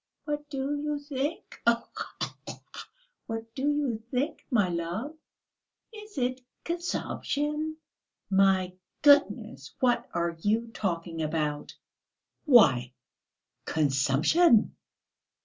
What do you think ... khee khee! What do you think, my love; is it consumption?" "My goodness, what are you talking about?" "Why, consumption!